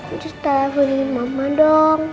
uncus teleponin mama dong